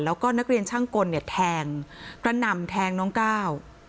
แล้วก็นักเรียนช่างกลเนี่ยแทงกระหน่ำแทงน้องก้าว